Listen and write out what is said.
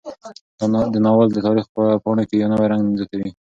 دا ناول د تاریخ په پاڼو کې یو نوی رنګ زیاتوي.